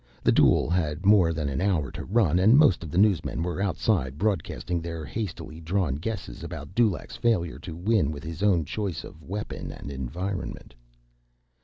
The duel had more than an hour to run, and most of the newsmen were outside, broadcasting their hastily drawn guesses about Dulaq's failure to win with his own choice of weapon and environment.